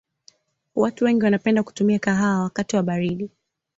watu wengi wanapenda kutumia kahawa wakati wa baridi